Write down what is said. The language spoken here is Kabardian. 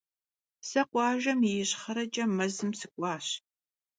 Se khuajjem yi yişxhereç'e mezım sık'uaş.